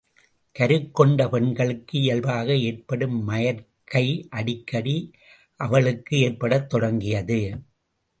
கருக்கொண்ட பெண்களுக்கு இயல்பாக ஏற்படும் மயற்கை அடிக்கடி அவளுக்கு ஏற்படத் தொடங்கியது.